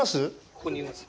ここにいます。